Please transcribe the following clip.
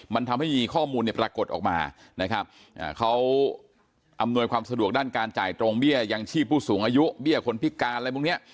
มันทำให้มีข้อมูลเนี่ยปรากฏออกมานะครับเขาอำนวยความสะดวกด้านการจ่ายตรงเบี้ยยังชีพผู้สูงอายุเบี้ยคนพิการอะไรพวกเนี้ย